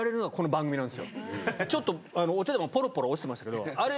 ちょっとお手玉ポロポロ落ちてましたけど。